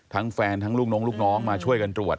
แฟนทั้งลูกน้องลูกน้องมาช่วยกันตรวจ